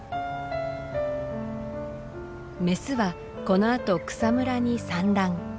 メスはこのあと草むらに産卵。